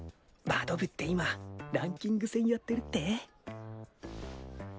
バド部って今ランキング戦やってるって？